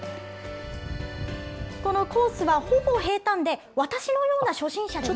このコースはほぼ平たんで、私のような初心者でも。